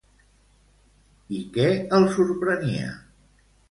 I què el sorprenia?